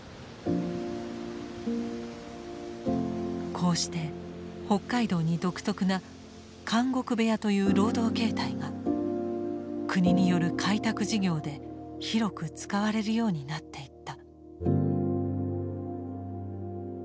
こうして北海道に独特な「監獄部屋」という労働形態が国による開拓事業で広く使われるようになっていった。